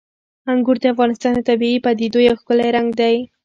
انګور د افغانستان د طبیعي پدیدو یو ښکلی رنګ دی.